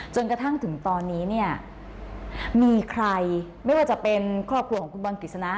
จนกระทั่งถึงตอนนี้เนี่ยมีใครไม่ว่าจะเป็นครอบครัวของคุณบอลกฤษณะ